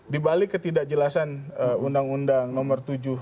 di balik ketidakjelasan undang undang nomor dua